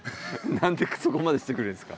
何でそこまでしてくれるんすか？